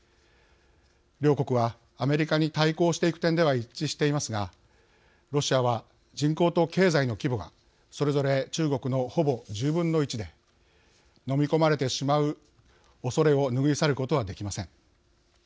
両国はアメリカに対抗していく点では一致していますがロシアは人口と経済の規模がそれぞれ中国の、ほぼ１０分の１で飲み込まれてしまうおそれを拭い去ることはできません。